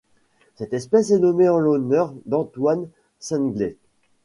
Cette espèce est nommée en l'honneur d'Antoine Senglet.